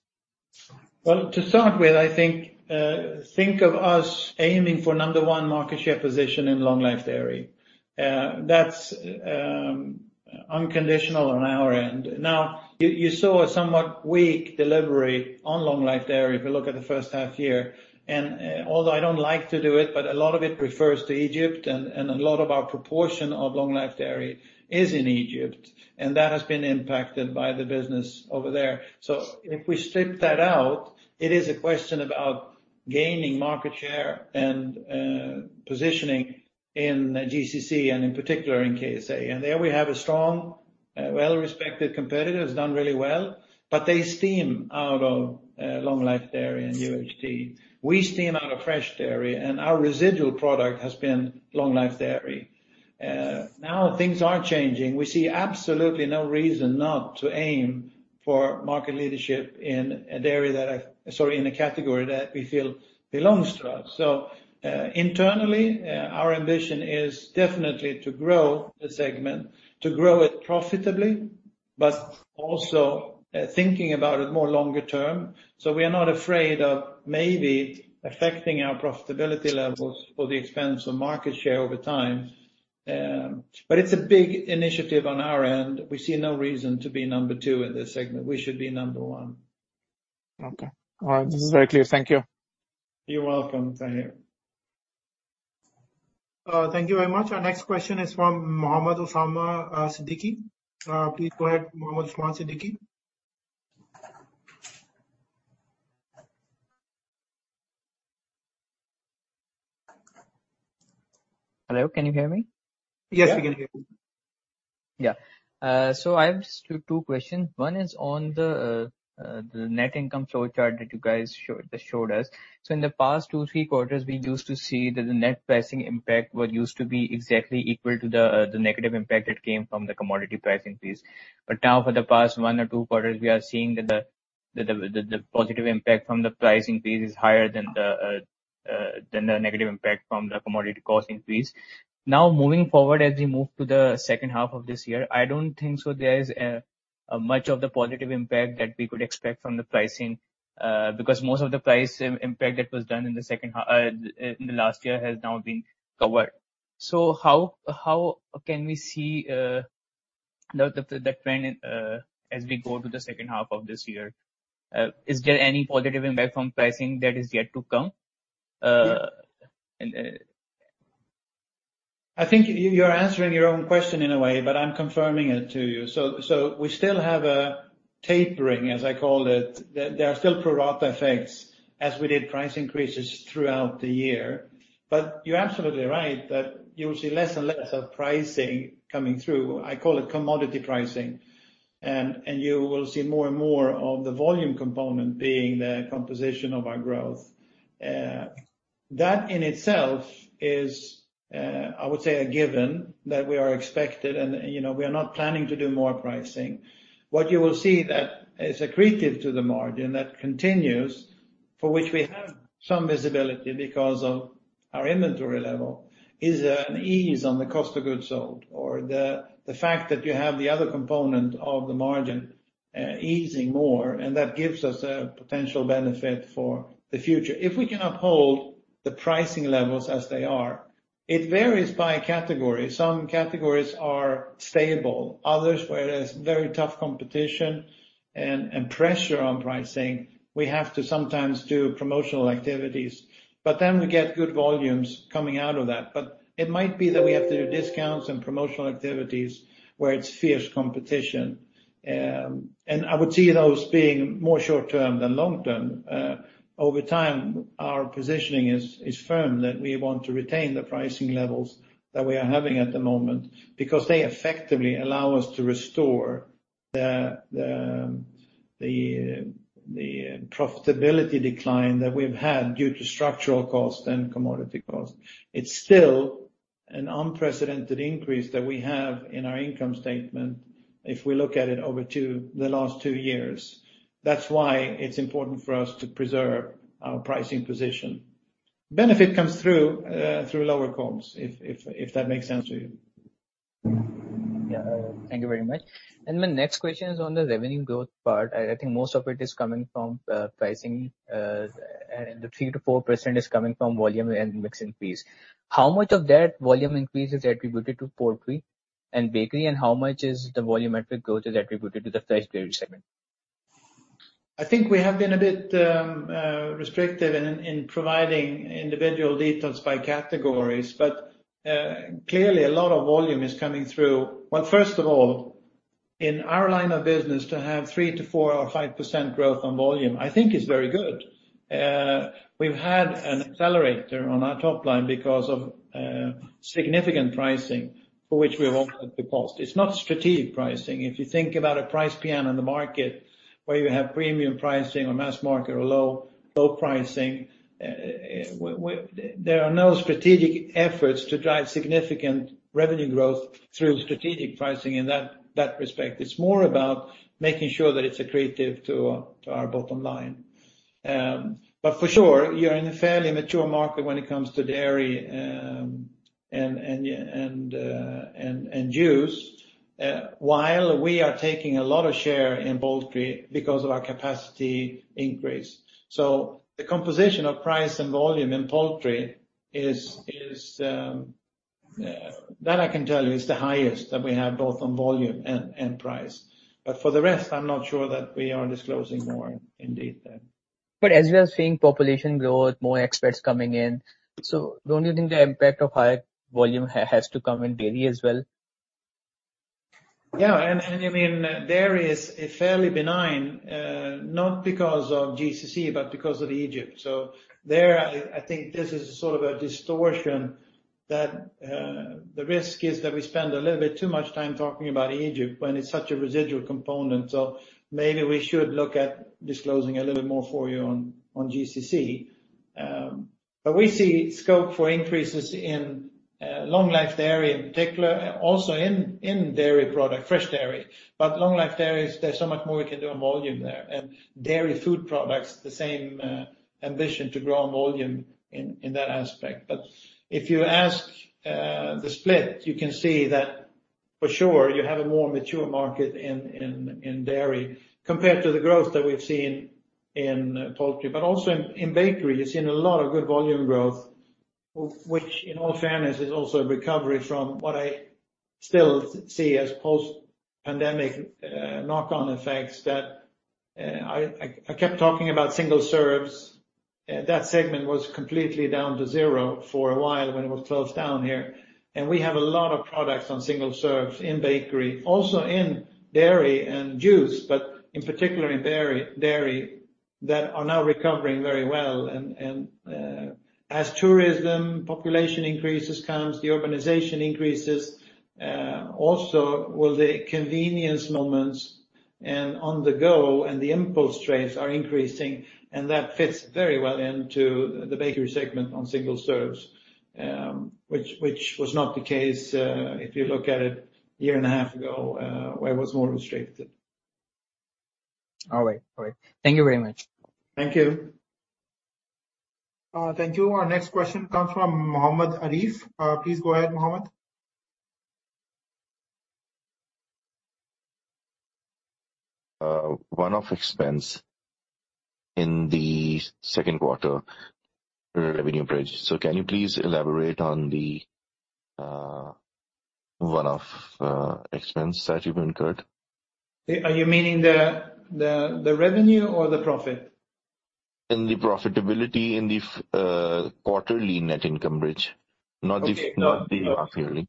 Well, to start with, I think of us aiming for number one market share position in long life dairy. That's unconditional on our end. Now, you saw a somewhat weak delivery on long life dairy if you look at the first half year. Although I don't like to do it, but a lot of it refers to Egypt, and a lot of our proportion of long life dairy is in Egypt, and that has been impacted by the business over there. If we strip that out, it is a question about gaining market share and positioning in GCC and in particular in KSA. There we have a strong, well-respected competitor, has done really well, but they steam out of long life dairy and UHT. We steam out of fresh dairy, and our residual product has been long life dairy. Now, things are changing. We see absolutely no reason not to aim for market leadership in a category that we feel belongs to us. Internally, our ambition is definitely to grow the segment, to grow it profitably. Also, thinking about it more longer term. We are not afraid of maybe affecting our profitability levels for the expense of market share over time. It's a big initiative on our end. We see no reason to be number two in this segment. We should be number one. Okay. All right, this is very clear. Thank you. You're welcome, Tahir. Thank you very much. Our next question is from Muhammad Usama Siddiqui. Please go ahead, Muhammad Usman Siddiqui. Hello, can you hear me? Yes, we can hear you. Yeah. I have just two questions. One is on the net income flow chart that you guys showed us. In the past two, three quarters, we used to see that the net pricing impact what used to be exactly equal to the negative impact that came from the commodity pricing piece. Now for the past one or two quarters, we are seeing that the positive impact from the pricing piece is higher than the negative impact from the commodity cost increase. Moving forward, as we move to the second half of this year, I don't think so there is a much of the positive impact that we could expect from the pricing, because most of the price impact that was done in the second half in the last year has now been covered. How can we see the trend as we go to the second half of this year? Is there any positive impact from pricing that is yet to come? I think you're answering your own question in a way, but I'm confirming it to you. we still have a tapering, as I call it. There are still pro rata effects as we did price increases throughout the year. you're absolutely right that you will see less and less of pricing coming through. I call it commodity pricing, and you will see more and more of the volume component being the composition of our growth. that in itself is, I would say, a given that we are expected and, you know, we are not planning to do more pricing. What you will see that is accretive to the margin that continues, for which we have some visibility because of our inventory level, is an ease on the cost of goods sold or the fact that you have the other component of the margin, easing more. That gives us a potential benefit for the future. If we can uphold the pricing levels as they are, it varies by category. Some categories are stable, others, where there's very tough competition and pressure on pricing, we have to sometimes do promotional activities. We get good volumes coming out of that. It might be that we have to do discounts and promotional activities where it's fierce competition. I would see those being more short term than long term. Over time, our positioning is firm, that we want to retain the pricing levels that we are having at the moment, because they effectively allow us to restore the profitability decline that we've had due to structural cost and commodity cost. It's still an unprecedented increase that we have in our income statement if we look at it over the last two years. That's why it's important for us to preserve our pricing position. Benefit comes through lower costs, if that makes sense to you. Yeah. Thank you very much. My next question is on the revenue growth part. I think most of it is coming from pricing and the 3%-4% is coming from volume and mix increase. How much of that volume increase is attributed to poultry and bakery, and how much is the volumetric growth is attributed to the fresh dairy segment? I think we have been a bit restrictive in providing individual details by categories, but clearly a lot of volume is coming through. First of all, in our line of business, to have 3%-4% or 5% growth on volume, I think is very good. We've had an accelerator on our top line because of significant pricing, for which we want at the cost. It's not strategic pricing. If you think about a price PM on the market, where you have premium pricing or mass market or low, low pricing, there are no strategic efforts to drive significant revenue growth through strategic pricing in that respect. It's more about making sure that it's accretive to our bottom line. For sure, you're in a fairly mature market when it comes to dairy, and juice, while we are taking a lot of share in poultry because of our capacity increase. The composition of price and volume in poultry is that I can tell you, is the highest that we have, both on volume and price. For the rest, I'm not sure that we are disclosing more indeed then. As we are seeing population growth, more experts coming in, so don't you think the impact of higher volume has to come in dairy as well? Yeah, I mean, dairy is a fairly benign, not because of GCC, but because of Egypt. There, I think this is sort of a distortion that, the risk is that we spend a little bit too much time talking about Egypt when it's such a residual component, so maybe we should look at disclosing a little bit more for you on GCC. We see scope for increases in, long life dairy in particular, also in dairy product, fresh dairy. Long life dairies, there's so much more we can do on volume there. Dairy food products, the same, ambition to grow on volume in that aspect. If you ask, the split, you can see that... for sure, you have a more mature market in, in dairy compared to the growth that we've seen in poultry, but also in bakery. You've seen a lot of good volume growth, which, in all fairness, is also a recovery from what I still see as post-pandemic knock-on effects that I kept talking about single serves. That segment was completely down to zero for a while when it was closed down here. We have a lot of products on single serves in bakery, also in dairy and juice, but in particular in dairy, that are now recovering very well. As tourism, population increases comes, the organization increases, also will the convenience moments and on the go, and the impulse trades are increasing, and that fits very well into the bakery segment on single serves. Which was not the case, if you look at it a year and a half ago, where it was more restricted. All right. All right. Thank you very much. Thank you. Thank you. Our next question comes from Mohammed Arif. Please go ahead, Mohammed. One-off expense in the second quarter revenue bridge. Can you please elaborate on the one-off expense that you've incurred? Are you meaning the revenue or the profit? In the profitability, in the quarterly net income bridge, not the. Okay. Not the yearly.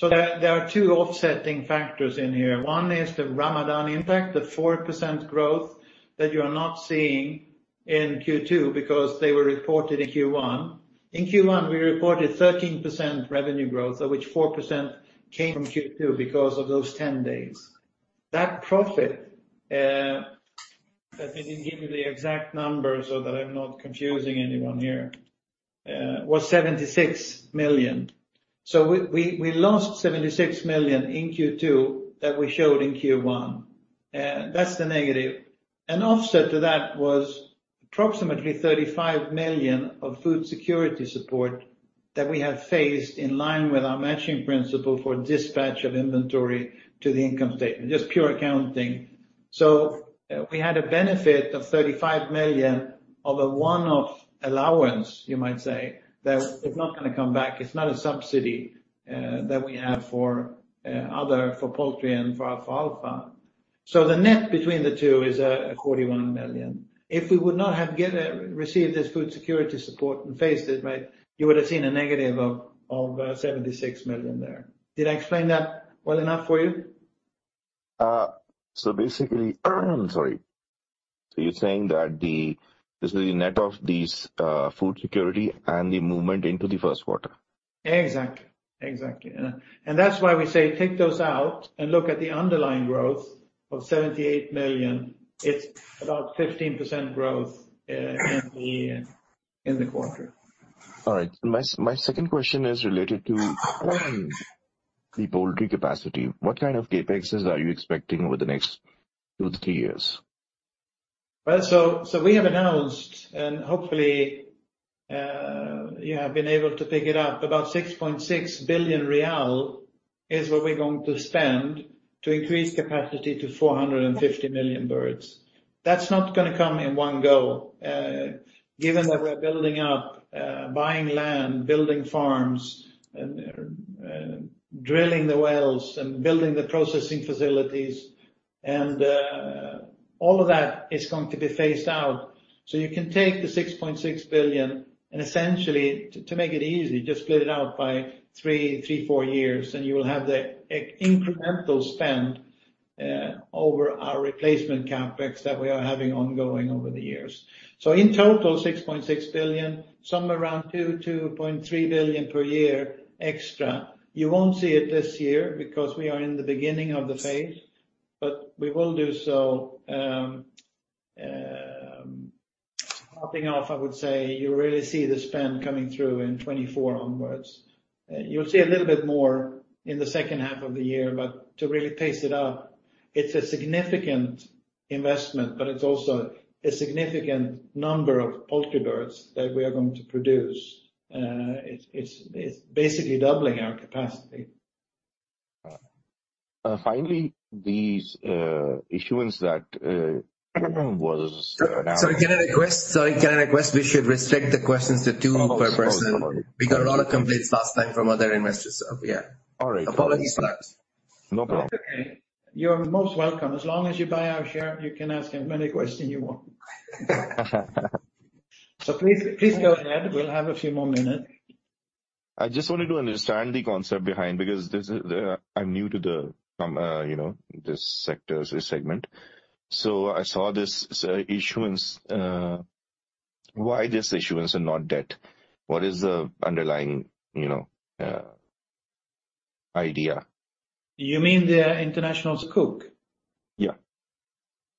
There are two offsetting factors in here. One is the Ramadan impact, the 4% growth that you are not seeing in Q2 because they were reported in Q1. In Q1, we reported 13% revenue growth, of which 4% came from Q2 because of those 10 days. That profit, let me give you the exact numbers so that I'm not confusing anyone here, was 76 million. We lost 76 million in Q2 that we showed in Q1, that's the negative. An offset to that was approximately 35 million of food security support that we have phased in line with our matching principle for dispatch of inventory to the income statement, just pure accounting. We had a benefit of 35 million of a one-off allowance, you might say, that is not gonna come back. It's not a subsidy that we have for poultry and for alfalfa. The net between the two is 41 million. If we would not have received this food security support and faced it, right, you would have seen a negative of 76 million there. Did I explain that well enough for you? basically, sorry. You're saying that this is the net of these food security and the movement into the first quarter? Exactly. That's why we say take those out and look at the underlying growth of 78 million. It's about 15% growth in the quarter. All right. My second question is related to the poultry capacity. What kind of CapExes are you expecting over the next two to three years? We have announced, and hopefully, you have been able to pick it up, about SAR 6.6 billion is what we're going to spend to increase capacity to 450 million birds. That's not gonna come in one go. Given that we're building up, buying land, building farms, and drilling the wells, and building the processing facilities, and all of that is going to be phased out. You can take the 6.6 billion and essentially, to make it easy, just split it out by three, four years, and you will have the incremental spend over our replacement CapEx that we are having ongoing over the years. In total, 6.6 billion, somewhere around 2 billion-2.3 billion per year extra. You won't see it this year because we are in the beginning of the phase, but we will do so, hopping off, I would say you really see the spend coming through in 2024 onwards. You'll see a little bit more in the second half of the year, but to really pace it up, it's a significant investment, but it's also a significant number of poultry birds that we are going to produce. It's basically doubling our capacity. Finally, these, issuance that, was. Sorry, can I request we should restrict the questions to two per person. Oh, sorry about it. We got a lot of complaints last time from other investors, so yeah. All right. Apologies for that. No problem. That's okay. You're most welcome. As long as you buy our share, you can ask as many questions you want. Please go ahead. We'll have a few more minutes. I just wanted to understand the concept behind, because this is. I'm new to the, you know, this sector, this segment. I saw this issuance. Why this issuance and not debt? What is the underlying, you know, idea? You mean the international Sukuk? Yeah.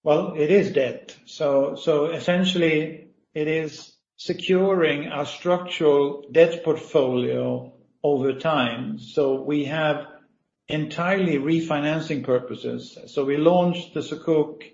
It is debt. Essentially, it is securing our structural debt portfolio over time. We have entirely refinancing purposes. We launched the Sukuk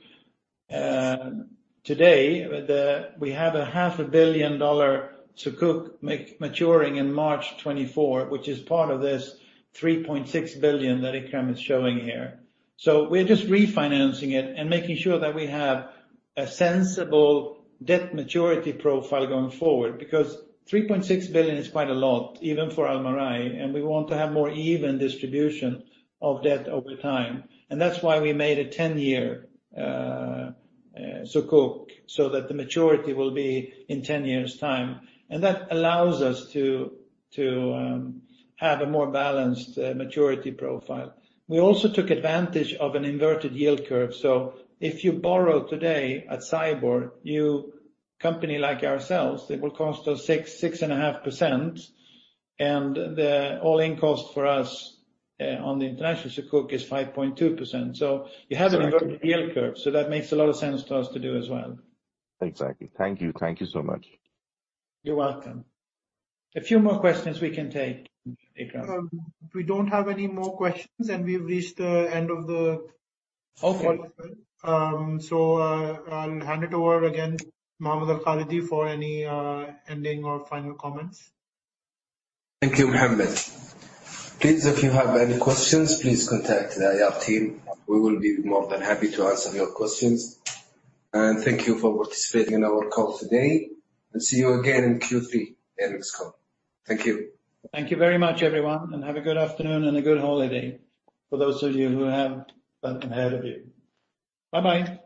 today. We have a half a billion dollar Sukuk maturing in March 2024, which is part of this 3.6 billion that Ikram is showing here. We're just refinancing it and making sure that we have a sensible debt maturity profile going forward, because 3.6 billion is quite a lot, even for Almarai, and we want to have more even distribution of debt over time. That's why we made a 10-year Sukuk, so that the maturity will be in 10 years' time. That allows us to have a more balanced maturity profile. We also took advantage of an inverted yield curve. If you borrow today at SAIBOR, you, company like ourselves, it will cost us 6%-6.5%, and the all-in cost for us on the international Sukuk is 5.2%. You have an inverted yield curve, so that makes a lot of sense to us to do as well. Exactly. Thank you. Thank you so much. You're welcome. A few more questions we can take, Ikram. We don't have any more questions, and we've reached the end of. Okay. I'll hand it over again, Mohammed Alkhaldi, for any ending or final comments. Thank you, Mohammed. Please, if you have any questions, please contact the IR team. We will be more than happy to answer your questions. Thank you for participating in our call today. See you again in Q3 in this call. Thank you. Thank you very much, everyone, and have a good afternoon and a good holiday for those of you who have that ahead of you. Bye-bye.